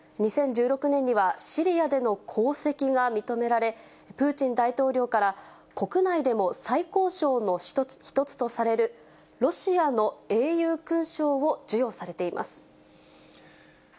２０１６年には、シリアでの功績が認められ、プーチン大統領から、国内でも最高賞の一つとされるロシアの英雄勲章を授与されています。